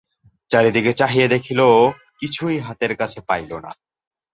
চারিদিকে চাহিয়া দেখিল কিছুই হাতের কাছে পাইল না।